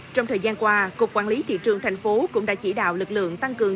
trong thời gian qua cục quản lý thị trường tp hcm cũng đã chỉ đạo lực lượng tăng cường